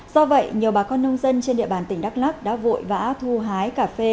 do vậy nhiều bà con nông dân trên địa bàn tỉnh đắk lắc đã vội vã thu hái cà phê